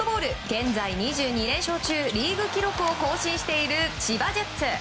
現在、２２連勝中リーグ記録を更新している千葉ジェッツ。